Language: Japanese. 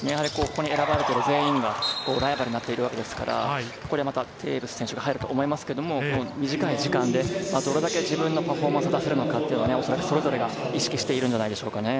ここに選ばれている全員がライバルになっているわけですから、テーブス選手が入ると思いますけど、短い時間でどれだけ自分のパフォーマンスを出せるのか、おそらくそれぞれが意識しているんじゃないでしょうかね。